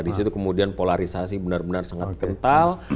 di situ kemudian polarisasi benar benar sangat kental